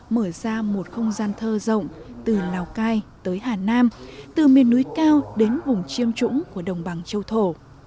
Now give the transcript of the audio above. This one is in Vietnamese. mở ra một không gian thơ rộng từ lào cai tới hà nam từ miền núi cao đến vùng chiêm trũng của đồng bằng châu thổ